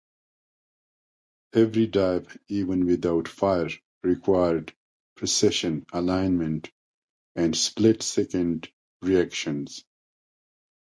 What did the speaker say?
Every dive, even without fire, required precision alignment and split-second reactions.